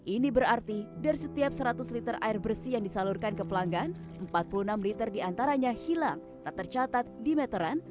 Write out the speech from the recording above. ini berarti dari setiap seratus liter air bersih yang disalurkan ke pelanggan empat puluh enam liter diantaranya hilang tak tercatat di meteran